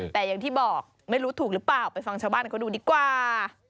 แต่อย่างที่บอกไม่รู้ถูกหรือเปล่าไปฟังชาวบ้านเขาดูดีกว่า